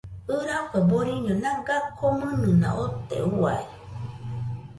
ɨrafue boriño naga komɨnɨna ote, Ua